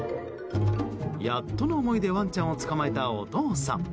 やっとの思いでワンちゃんを捕まえたお父さん。